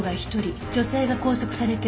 女性が拘束されてる。